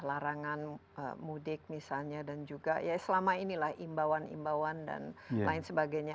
larangan mudik misalnya dan juga ya selama inilah imbauan imbauan dan lain sebagainya